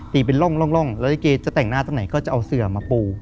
เป็นร่องแล้วลิเกจะแต่งหน้าตรงไหนก็จะเอาเสือมาปู